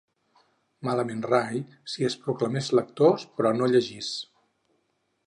Malament rai, si es proclamés lector però no llegís!